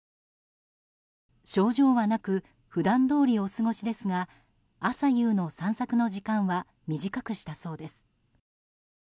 症状はなく普段どおりお過ごしですが朝夕の散策の時間は短くしたそうです。